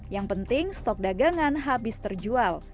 yang penting stok dagangan habis terjual